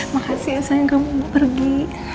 makasih elsa yang kamu pergi